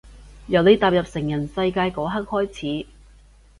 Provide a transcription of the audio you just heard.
由你踏入成人世界嗰刻開始